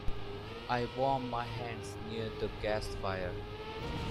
I warmed my hands near the gas fire.